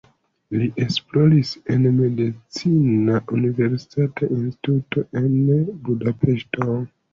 Li esploris en medicina universitata instituto en Budapeŝto.